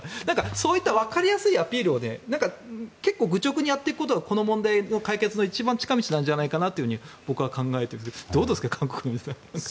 そういったわかりやすいアピールを結構愚直にやっていくことがこの問題の解決の一番の近道じゃないかなと僕は考えているんですがどうですか、韓国の人は。